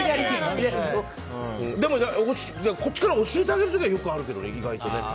こっちから教えてあげる時はよくあるけどね、意外とね。